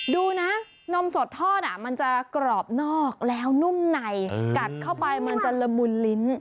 ดูนะนมสดทอดมันจะกรอบนอกแล้วนุ่มในกัดเข้าไปมันจะละมุนลิ้น